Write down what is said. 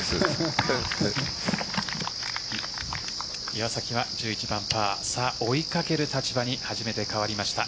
岩崎は１１番パー追いかける立場に初めて変わりました。